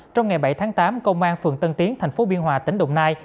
trong ngày bảy tháng tám công an phường tân tiến thành phố biên hòa tỉnh đồng nai